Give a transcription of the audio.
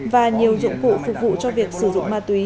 và nhiều dụng cụ phục vụ cho việc sử dụng ma túy